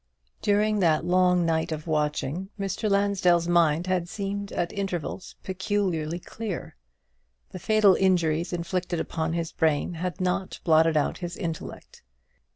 During that long night of watching, Mr. Lansdell's mind had seemed at intervals peculiarly clear, the fatal injuries inflicted upon his brain had not blotted out his intellect.